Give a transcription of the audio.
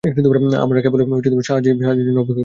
আমরা কেবল সাহায্যের জন্য অপেক্ষাই করতে পারি!